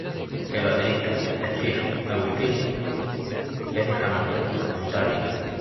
El baterista Steve Augustine es de Hamilton, Ontario.